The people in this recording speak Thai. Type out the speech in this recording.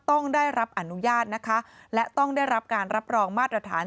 ต้องได้รับอนุญาตนะคะและต้องได้รับการรับรองมาตรฐาน